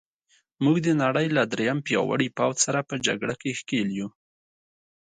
موږ د نړۍ له درېیم پیاوړي پوځ سره په جګړه کې ښکېل یو.